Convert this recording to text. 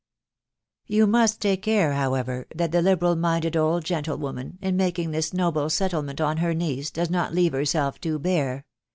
You must take care, however, that the liberal minded old gentlewoman, in making this nobstjpttle ment on her niece, does not leave herself too bare.